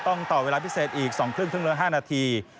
ต้องต่อเวลาพิเศษอีก๒๕๕นาที